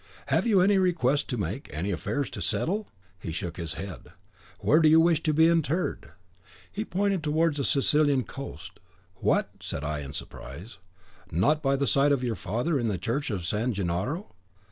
'Have you any request to make, any affairs to settle?' He shook his head. 'Where would you wish to be interred?' He pointed towards the Sicilian coast. 'What!' said I, in surprise, 'NOT by the side of your father, in the church of San Gennaro?